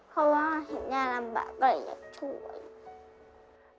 เพราะว่าเห็นย่าลำบากก็เลยอยากช่วย